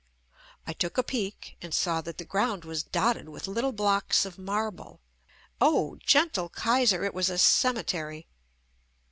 I took a peek and saw that the ground was dotted with little blocks of marble. Oh! Gentle Kaiser! It was a cemetery.